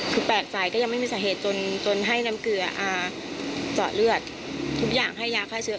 คือแปลกใจก็ยังไม่มีสาเหตุจนให้น้ำเกลืออาเจาะเลือดทุกอย่างให้ยาฆ่าเชื้อ